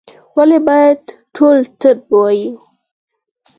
ولي باید ټول طب ووایو؟